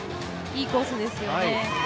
いいコースですよね。